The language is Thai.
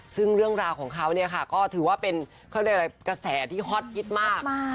ซึ่งเรื่องราวของเขาก็ถือว่าเป็นกระแสที่ฮอตอิดมาก